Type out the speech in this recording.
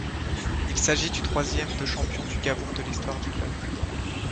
Il s’agit du troisième de champion du Gabon de l’histoire du club.